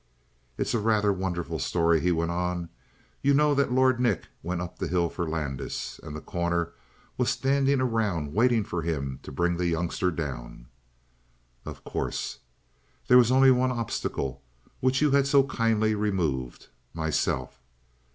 "It is a rather wonderful story," he went on. "You know that Lord Nick went up the hill for Landis? And The Corner was standing around waiting for him to bring the youngster down?" "Of course." "There was only one obstacle which you had so kindly removed myself."